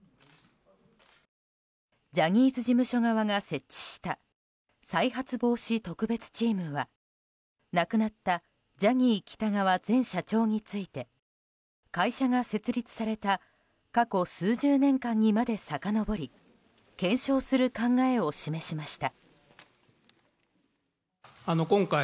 ジャニーズ事務所側が設置した再発防止特別チームは亡くなったジャニー喜多川前社長について会社が設立された過去数十年間にまでさかのぼり検証する考えを示しました。